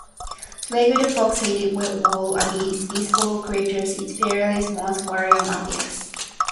Slagar the fox hated Redwall Abbey-its peaceable creatures, its fearless mouse warrior Matthias.